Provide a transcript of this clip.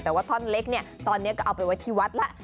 แต่ว่าท่อนเล็กเนี่ยตอนนี้ก็เอาไปไว้ที่วัดแล้ว